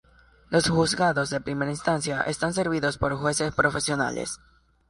Los juzgados de primera instancia están servidos por jueces profesionales.